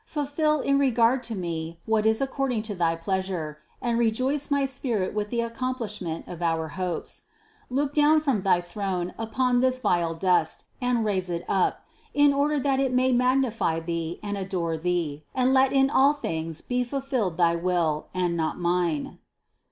Fulfill in regard to me, what is according to thy pleasure, and rejoice our spirit with the accom plishment of our hopes. Look down from thy throne upon this vile dust, and raise it up, in order that it may magnify Thee and adore Thee, and let in all things be fulfilled thy will, and not mine."